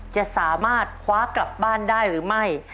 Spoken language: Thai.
จะสามารถคว้ากลับบ้านได้หรือไม่